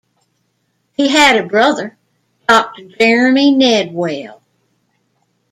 He had a brother, Doctor Jeremy Nedwell.